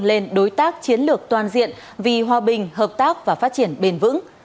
lên đối tác chiến lược toàn diện vì hòa bình hợp tác và phát triển bền vững